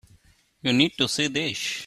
You need to see this.